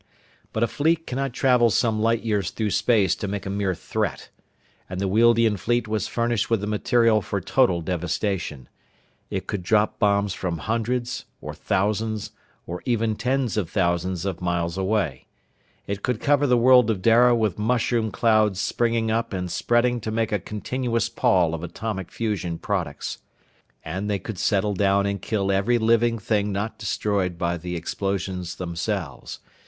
But a fleet cannot travel some light years through space to make a mere threat. And the Wealdian fleet was furnished with the material for total devastation. It could drop bombs from hundreds, or thousands, or even tens of thousands of miles away. It could cover the world of Dara with mushroom clouds springing up and spreading to make a continuous pall of atomic fusion products. And they could settle down and kill every living thing not destroyed by the explosions themselves.